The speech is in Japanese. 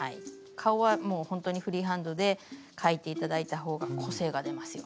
顔はもうほんとにフリーハンドで描いて頂いたほうが個性が出ますよ。